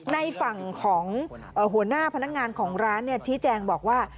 ในฝั่งของหัวหน้าพนักงานของร้านชี้แจงบอกว่า